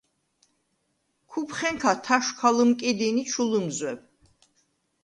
ქუფხენქა თაშვ ქა ლჷმკიდინ ი ჩუ ლჷმზვებ.